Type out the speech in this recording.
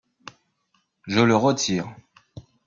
Je le retire.